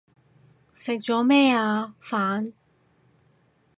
食咗咩啊？飯